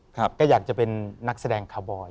ก็อยากจะเป็นนักแสดงคาร์บอย